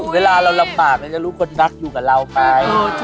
เวลาเราลำบากเราจะรู้คนรักอยู่กับเราไป